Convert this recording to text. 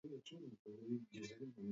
Nitakuwa mzee hivi karibuni